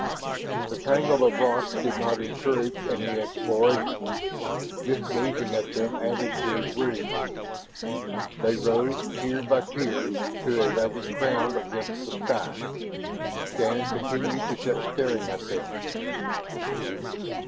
The tangle of rocks did not encourage any exploration. Just gazing at them added to his weariness. They rose, tier by tier, to a ragged crown against the sky. Shann continued to sit staring at them.